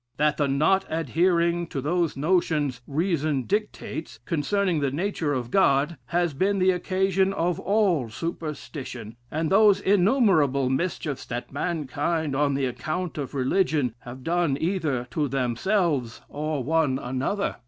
"That the not adhering to those notions reason dictates, concerning the nature of God, has been the occasion of all superstition, and those innumerable mischiefs, that mankind, on the account of religion, have done either to themselves, or one another.